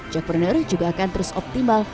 jack planner juga akan terus optimal